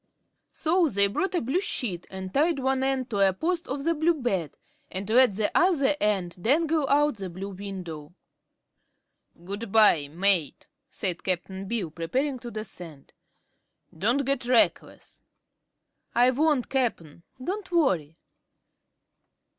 So they brought a blue sheet and tied one end to a post of the blue bed and let the other end dangle out the blue window. "Good bye, mate," said Cap'n Bill, preparing to descend; "don't get reckless." "I won't, Cap'n. Don't worry."